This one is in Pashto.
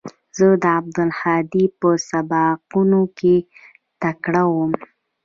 زه او عبدالهادي په سبقانو کښې تکړه وو.